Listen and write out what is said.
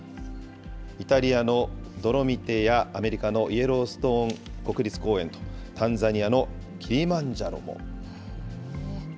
イタリアのドロミテやアメリカのイエローストーン国立公園とタンザニアのキリマンジャロも。